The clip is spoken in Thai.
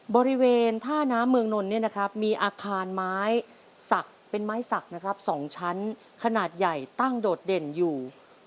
บริเวณท่าน้ำเมืองนนท์เนี่ยนะครับมีอาคารไม้สักเป็นไม้สักนะครับ๒ชั้นขนาดใหญ่ตั้งโดดเด่นอยู่